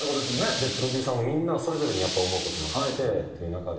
でプロデューサーもみんなそれぞれにやっぱ思う事もあってっていう中で。